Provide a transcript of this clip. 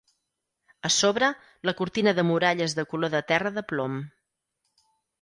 A sobre, la cortina de muralles de color de terra de plom